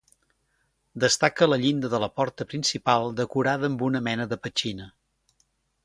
Destaca la llinda de la porta principal decorada amb una mena de petxina.